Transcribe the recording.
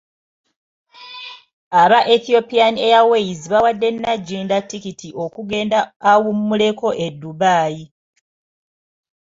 Aba Ethiopian Airways baawadde Nagginda ttikiti okugenda awummuleko e Dubai.